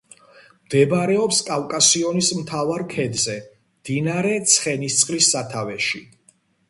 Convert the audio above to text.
მდებარეობს კავკასიონის მთავარ ქედზე, მდინარე ცხენისწყლის სათავეში.